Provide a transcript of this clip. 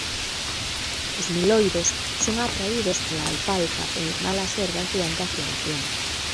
Os meloidos son atraídos pola alfalfa e malas herbas durante a floración.